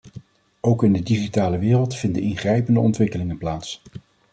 Ook in de digitale wereld vinden ingrijpende ontwikkelingen plaats.